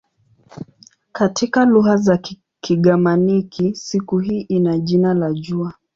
Katika lugha za Kigermanik siku hii ina jina la "jua".